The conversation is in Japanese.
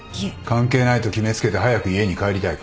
関係ないと決め付けて早く家に帰りたいか。